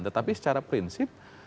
tetapi secara prinsip